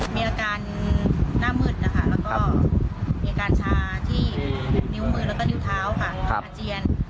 มีอาการหน้ามืดนะคะแล้วก็มีอาการชาที่นิ้วมือแล้วก็นิ้วเท้าค่ะอาเจียน